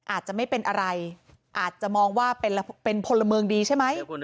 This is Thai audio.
อาจจะไม่เป็นอะไรอาจจะมองว่าเป็นพลเมืองดีใช่ไหม